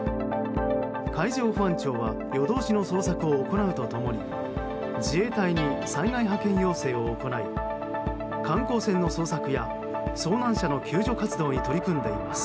海上保安庁は夜通しの捜索を行うと共に自衛隊に災害派遣要請を行い観光船の捜索や遭難者の救助活動に取り組んでいます。